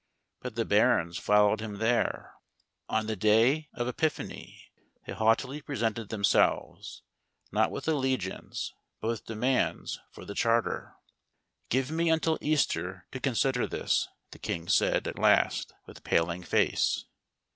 But the barons followed him there. On the day of Epiphany, they haughtily presented themselves, — not with allegiance, but with demands for the Charter. " Give me until Easter to consider this," the king said at last with paling face.